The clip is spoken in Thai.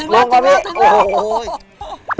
มาจากนี้